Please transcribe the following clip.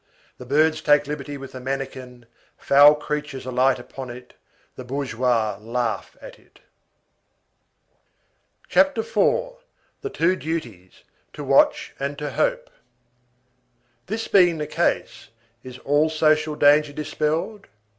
The birds take liberties with the mannikin, foul creatures alight upon it, the bourgeois laugh at it. CHAPTER IV—THE TWO DUTIES: TO WATCH AND TO HOPE This being the case, is all social danger dispelled?